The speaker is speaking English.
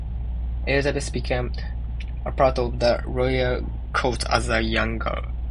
Elizabeth became a part of the royal court as a young girl.